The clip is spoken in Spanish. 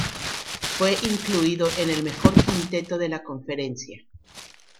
Fue incluido en el mejor quinteto de la conferencia.